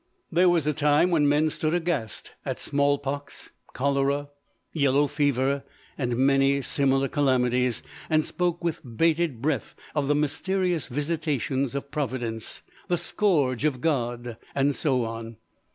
There was a time when men stood aghast at small pox, cholera, yellow fever, and many similar calamities, and spoke with bated breath of the "mysterious visitations of providence," the "scourge of God," and so on.